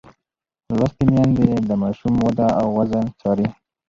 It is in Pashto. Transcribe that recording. لوستې میندې د ماشوم وده او وزن څاري.